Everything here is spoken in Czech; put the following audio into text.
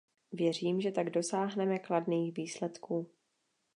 Věřím, že tak dosáhneme kladných výsledků.